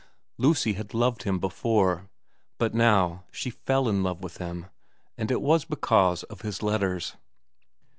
Lucy had loved him before ; but now she fell in love with him, and it was because of his letters.